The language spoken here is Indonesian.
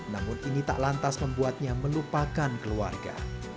namun ini tak lantas membuatnya melupakan keluarga